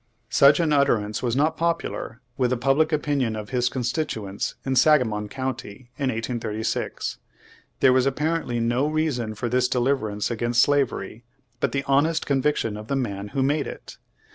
Such an utterance was not popular with the pub lic opinion of his constituents in Sangamon County in 1836. There was apparently no reason for this deliverance against slavery but the honest conviction of the man who made it.